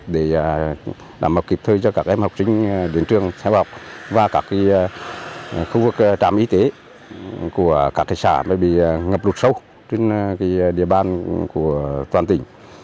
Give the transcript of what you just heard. để làm kịp thời cho các em học sinh đến trường theo học và các khu vực trạm y tế của các thị xã bị ngập rụt sâu trên địa bàn